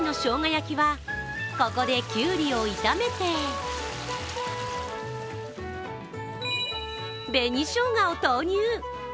焼きは、ここできゅうりを炒めて、紅しょうがを投入。